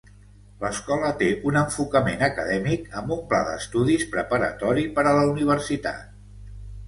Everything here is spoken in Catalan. L'escola té un enfocament acadèmic amb un pla d'estudis preparatori per a la universitat.